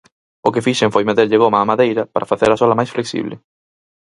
O que fixen foi meterlle goma á madeira para facer a sola máis flexible.